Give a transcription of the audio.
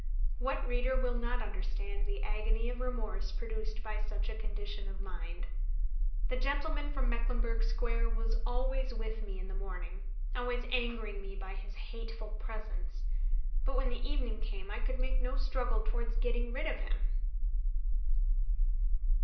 What reader will not understand the agony of remorse produced by such a condition of mind? The gentleman from Mecklenburgh Square was always with me in the morning, always angering me by his hateful presence, but when the evening came I could make no struggle towards getting rid of him.